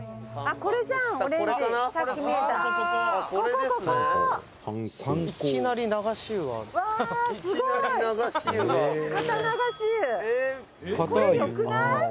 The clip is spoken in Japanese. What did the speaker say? これよくない？」